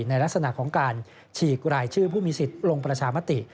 ในลักษณะของการฉีกรายชื่อผู้มีสิทธิ์ลงประชามติ